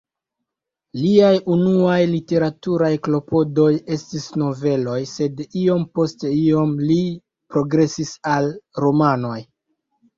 Liaj unuaj literaturaj klopodoj estis noveloj, sed iom post iom li progresis al romanoj.